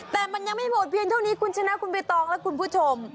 แต่มันยังไม่หมดเพียงเท่านี้คุณชนะคุณใบตองและคุณผู้ชม